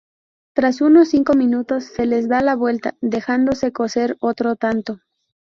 Tras unos cinco minutos se les da la vuelta, dejándose cocer otro tanto.